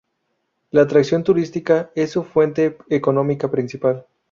La atracción turística es su fuente económica principal.